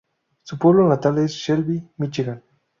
Su pueblo natal es Shelby, Míchigan.